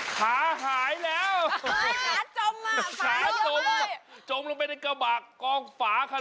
ขาหายแล้วขาจมมาขาจมจมลงไปในกระบะกองฝาคัน